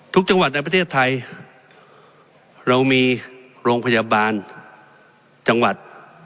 ทุกจังหวัดในประเทศไทยเรามีโรงพยาบาลจังหวัด